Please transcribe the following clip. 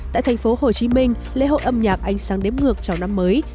tại thành phố hồ chí minh lễ hội âm nhạc ánh sáng đếm ngược chào năm mới